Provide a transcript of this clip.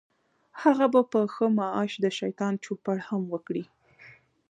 هغه به په ښه معاش د شیطان چوپړ هم وکړي.